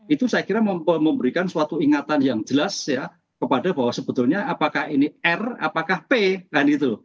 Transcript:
itu saya kira memberikan suatu ingatan yang jelas ya kepada bahwa sebetulnya apakah ini r apakah p kan gitu